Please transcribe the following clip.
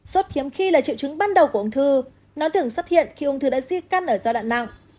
suốt hiếm khi là triệu chứng ban đầu của ung thư nó thường xuất hiện khi ung thư đã di căn ở do đạn nặng